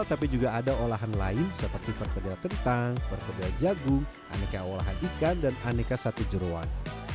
tapi juga ada olahan lain seperti perkedel kentang perkedel jagung aneka olahan ikan dan aneka sate jeruan